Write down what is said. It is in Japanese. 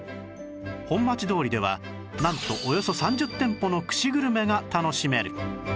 本町通りではなんとおよそ３０店舗の串グルメが楽しめる